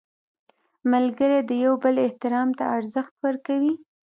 ملګری د یو بل احترام ته ارزښت ورکوي